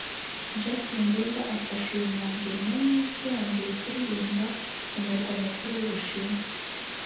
Justin Bieber afashe uyu mwanzuro nyuma y’iminsi yangiwe kuririmbira mu Murwa Mukuru w’u Bushinwa